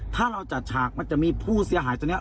ถ้าเราจัดฉากมันจะมีผู้เสียหายตัวนี้